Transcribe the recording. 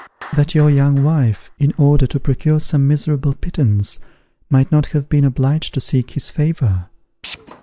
that your young wife, in order, to procure some miserable pittance, might not have been obliged to seek his favour?